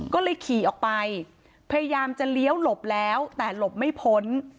ก็เลยขี่ออกไปพยายามจะเลี้ยวหลบแล้วแต่หลบไม่พ้น